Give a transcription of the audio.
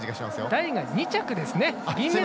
代が２着ですね。